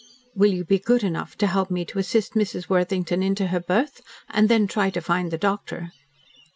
"Will you be good enough to help me to assist Mrs. Worthington into her berth, and then try to find the doctor."